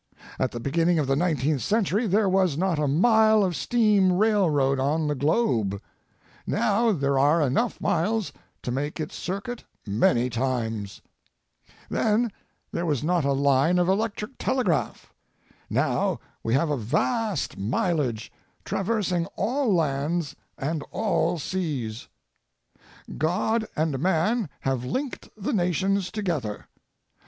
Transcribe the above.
At the beginning of the nineteenth century there was not a mile of steam railroad on the globe. Now there are enough miles to make its circuit many times. Then there was not a line of electric telegraph; now we have a vast mileage traversing all lands and all seas. God and man have linked the nations together.